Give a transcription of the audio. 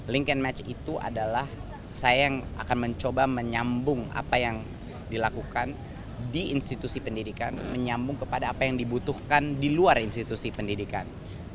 link and match itu adalah saya yang akan mencoba menyambung detapi dilakukan di institusi pendidikan